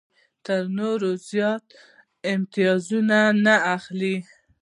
تر نورو زیات امتیازات نه اخلي.